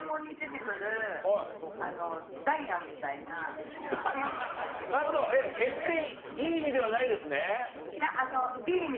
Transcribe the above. なるほど決していい意味ではないですね？